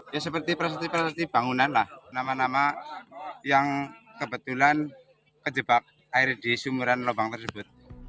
ya seperti prasti praset bangunan lah nama nama yang kebetulan kejebak air di sumuran lubang tersebut